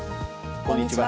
こんにちは。